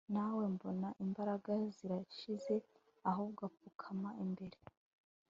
nawe mbona imbaraga zirashize ahubwo apfukama imbere